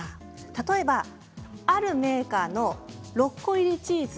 例えばあるメーカーの６個入りチーズ。